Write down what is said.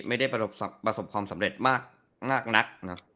ไม่ได้ประสบความสำเร็จมากนักนะ